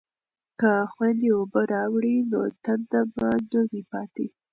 که خویندې اوبه راوړي نو تنده به نه وي پاتې.